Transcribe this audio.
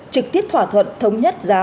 trực tiếp thỏa thuận thống nhất giá